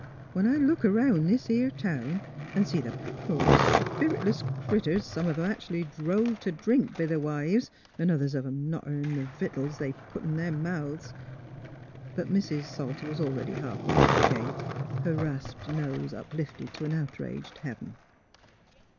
*' When I look 'round this 'ere town MALVINA POINTS A MORAL 179 an' see the poor, speritless critters, some of 'em actn'ly drove t' drink b' their wives, an' others of 'em not earnin' th' vittles they put in their months " But Mrs. Salter was already halfway to the gate, her rasped nose uplifted to an outraged heaven.